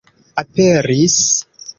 aperis